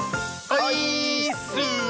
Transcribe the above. オイーッス！